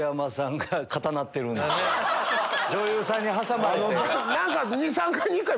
女優さんに挟まれて。